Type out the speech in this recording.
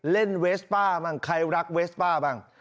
เล่นเวสป้าบ้างใครรักเวสป้าบ้าง